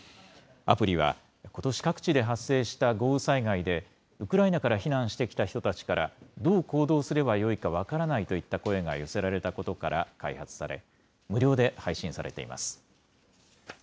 アプリは、ことし各地で発生した豪雨災害で、ウクライナから避難してきた人たちから、どう行動すればよいか分からないといった声が寄せられたことから、開発され、無料で配信されています。